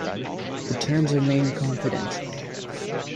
The terms remain confidential.